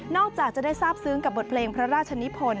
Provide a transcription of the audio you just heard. จากจะได้ทราบซึ้งกับบทเพลงพระราชนิพล